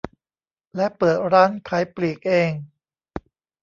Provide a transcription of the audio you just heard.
และเปิดร้านขายปลีกเอง